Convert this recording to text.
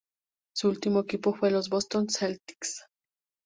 Su último equipo fue los Boston Celtics.